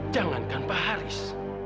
jangankan pak aris